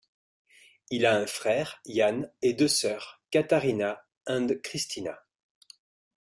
Il a un frère, Yan, et deux sœurs, Katarina and Kristina.